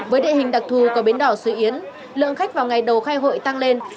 với địa hình đặc thù của bến đỏ sứ yến lượng khách vào ngày đầu khai hội tăng lên